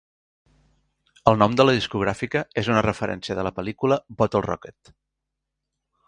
El nom de la discogràfica és una referència de la pel·lícula "Bottle Rocket".